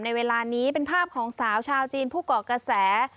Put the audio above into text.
เวลานี้เป็นภาพของสาวชาวจีนผู้เกาะกระแส